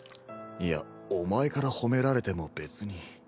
いやお前から褒められても別に。